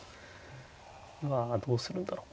うわどうするんだろう？